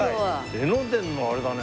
江ノ電のあれだね。